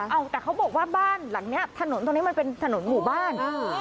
เอาแต่เขาบอกว่าบ้านหลังนี้ถนนตรงนี้มันเป็นถนนหมู่บ้าน